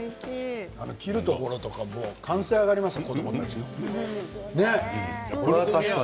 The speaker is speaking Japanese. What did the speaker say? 切るところとかも歓声が上がります子どもたちから。